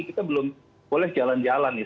kita belum boleh jalan jalan nih